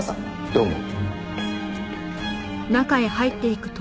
どうも。